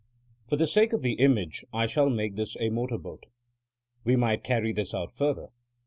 For the sake of the image I shall make this a motor boat. We might carry this out further.